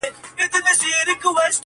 • چي پاچا وي څوک په غېږ کي ګرځولی,